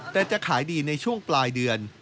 แต่จะขายดีในช่วงปลายเดือน